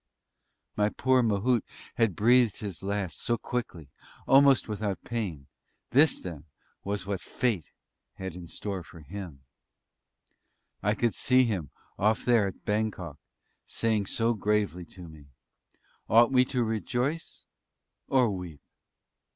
My poor Mahout had breathed his last so quickly almost without pain. This then, was what "Fate" had in store for him! I could see him off there, at Bangok, saying so gravely to me, "Ought we to rejoice, or weep?"